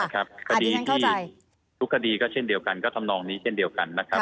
คดีที่ทุกคดีก็เช่นเดียวกันก็ทำนองนี้เช่นเดียวกันนะครับ